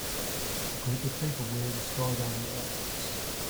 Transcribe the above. A group of people wearing skydiving outfits.